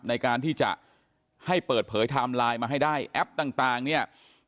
ในการที่จะให้เปิดเผยไทม์ไลน์มาให้ได้แอปต่างเนี่ย